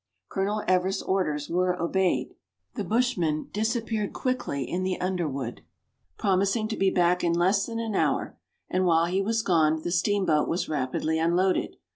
Colonel Everest's orders were obeyed. The bushman l6 MERIDIAN A ; THE ADVENTURES OF disappeared quickly in the underwood, promising to be back in less than an hour, and while he was gone, the steamboat was rapidly unloaded.